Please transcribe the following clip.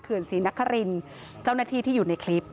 เขื่อนศรีนักฮารินเจ้าหน้าที่ที่อยู่ในคลิป